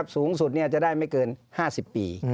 สูงสุดจะได้ไม่เกิน๕๐ปี